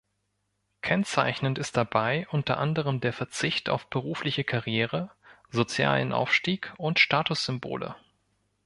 Kennzeichnend ist dabei unter anderem der Verzicht auf berufliche Karriere, sozialen Aufstieg und Statussymbole.